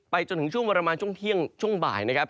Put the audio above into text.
จนถึงช่วงประมาณช่วงเที่ยงช่วงบ่ายนะครับ